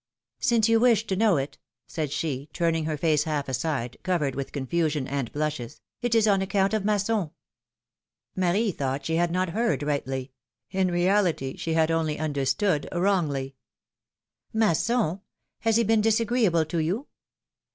Since you wish to know it," said she, turning her face half aside, covered with confusion and blushes, it is on account of Masson." Marie thought she had not heard rightly — in reality she had only understood wrongly. Masson ! Has he been disagreeable to you